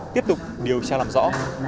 tiếp tục điều tra làm rõ